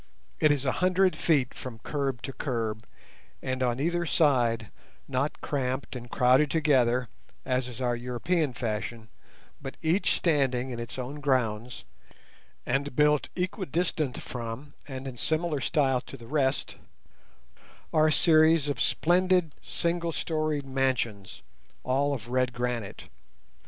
It is a hundred feet from curb to curb, and on either side, not cramped and crowded together, as is our European fashion, but each standing in its own grounds, and built equidistant from and in similar style to the rest, are a series of splendid, single storied mansions, all of red granite.